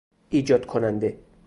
ایجاد کننده